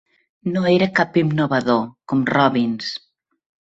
No era cap innovador, com Robbins.